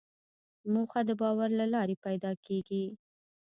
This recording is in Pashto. موخه د باور له لارې پیدا کېږي.